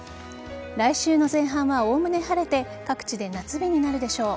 来週の前半はおおむね晴れて各地で夏日になるでしょう。